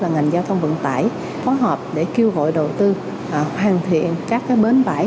ngành giao thông vận tải phối hợp để kêu gọi đầu tư hoàn thiện các bến bãi